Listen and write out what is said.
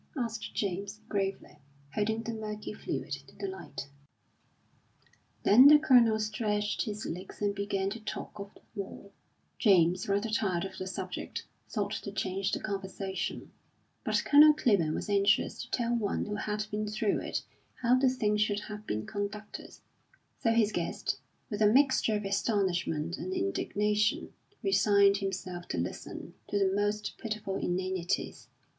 asked James, gravely, holding the murky fluid to the light. Then the Colonel stretched his legs and began to talk of the war. James, rather tired of the subject, sought to change the conversation; but Colonel Clibborn was anxious to tell one who had been through it how the thing should have been conducted; so his guest, with a mixture of astonishment and indignation, resigned himself to listen to the most pitiful inanities.